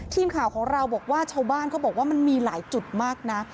ทีมข่าวของเราบอกว่าชาวบ้านเขาบอกว่ามันมีหลายจุดมากนะ